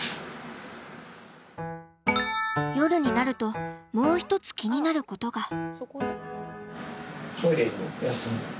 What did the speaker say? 夜になるともう一つ気になることが。